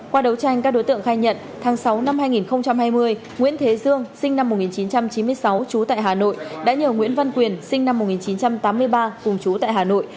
qua đấu tranh các đối tượng khai nhận tháng sáu năm hai nghìn hai mươi nguyễn thế dương sinh năm một nghìn chín trăm chín mươi sáu trú tại hà nội đã nhờ nguyễn văn quyền sinh năm một nghìn chín trăm tám mươi ba cùng chú tại hà nội